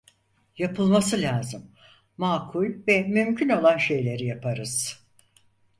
Yapılması lazım, makul ve mümkün olan şeyleri yaparız.